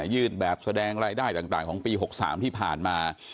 ื่นแบบแสดงรายได้ต่างของปี๖๓ที่ผ่านมา